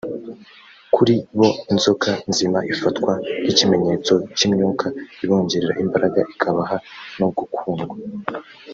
kuri bo inzoka nzima ifatwa nk’ikimenyetso cy’imyuka ibongerera imbaraga ikabaha no gukundwa